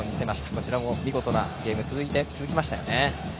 こちらも見事なゲームが続きましたよね。